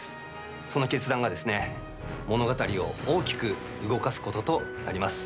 その決断がですね、物語を大きく動かすこととなります。